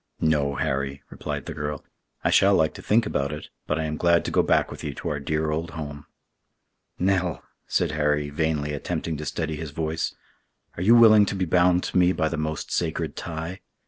"No, Harry," replied the girl; "I shall like to think about it, but I am glad to go back with you to our dear old home." "Nell!" said Harry, vainly attempting to steady his voice, "are you willing to be bound to me by the most sacred tie?